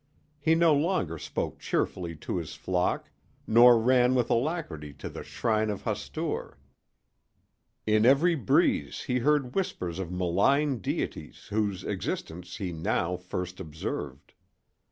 He no longer spoke cheerfully to his flock, nor ran with alacrity to the shrine of Hastur. In every breeze he heard whispers of malign deities whose existence he now first observed.